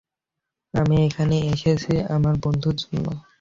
আমি এখানে এসেছি আমার বন্ধুর জন্য।